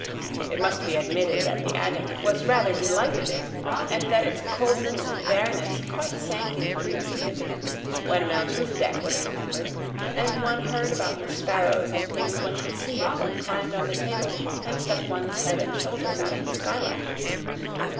It must be admitted that the attic was rather delighted in, and that its coldness and bareness quite sank into insignificance when Melchisedec was remembered, and one heard about the sparrows and things one could see if one climbed on the table and stuck one's head and shoulders out of the skylight.